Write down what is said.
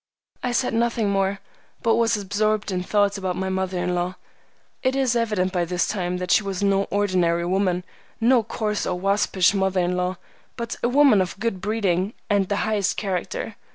I said nothing more, but was absorbed in thought about my mother in law. It is evident by this time that she was no ordinary woman, no coarse or waspish mother in law, but a woman of good breeding and the highest character.